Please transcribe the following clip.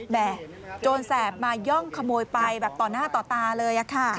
แบบโจรแสบมาย่องขโมยไปต่อหน้าต่อตาเลย